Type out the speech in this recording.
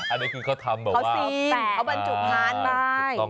อันนี้คือเขาทำแบบว่าเอาสีเอาบรรจุพาน